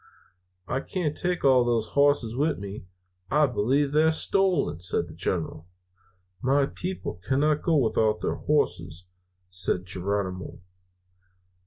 "'I can't take all those hosses with me; I believe they're stolen!' says the General. "'My people cannot go without their hosses,' says Geronimo.